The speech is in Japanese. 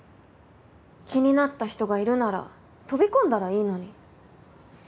気になった人がいるなら飛び込んだらいいのに。